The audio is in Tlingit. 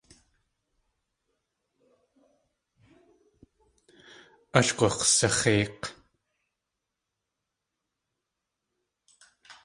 Ash gux̲sax̲éik̲.